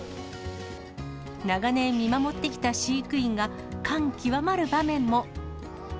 長年見守ってきた飼育員が、感極まる場面も。